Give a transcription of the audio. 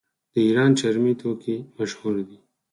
د ایران چرمي توکي مشهور دي.